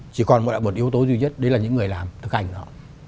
chỉ còn lại một yếu tố duy nhất đấy là những người làm thực ảnh đó